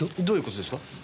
どういう事ですか？